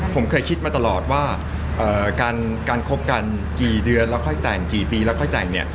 ผมเคยคิดมาตลอดว่าการคบกันกี่เดือนแล้วค่อยแต่งกี่ปีแล้วค่อยแต่งเนี่ย